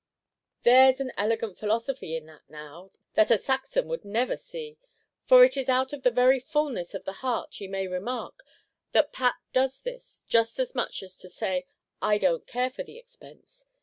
There 's an elegant philosophy in that, now, that a Saxon would never see! For it is out of the very fulness of the heart, ye may remark, that Pat does this, just as much as to say, 'I don't care for the expense!'